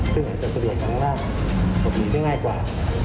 ซึ่งจะเสร็จกันมากหรือหลีก็ง่ายกว่า